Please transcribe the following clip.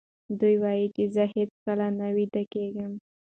دی وایي چې زه هیڅکله نه ویده کېږم.